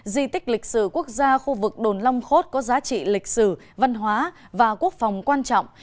di tích lịch sử quốc gia khu vực đồn long khốt có giá trị lịch sử văn hóa và quốc phòng quan trọng